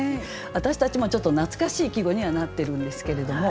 私たちもちょっと懐かしい季語にはなってるんですけれども。